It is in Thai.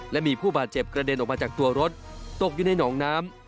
และมีผู้บาดเจ็บกระเด็นออกมาจากตัวรถตกอยู่ในหนองน้ำ